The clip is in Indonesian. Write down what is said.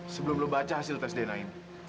sebelum lo baca hasil tes dna ini